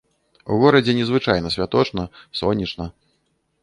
У горадзе незвычайна святочна, сонечна.